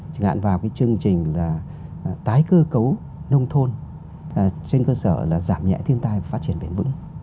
chẳng hạn vào cái chương trình là tái cơ cấu nông thôn trên cơ sở là giảm nhẹ thiên tai và phát triển bền vững